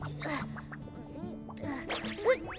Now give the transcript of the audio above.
ふうっと。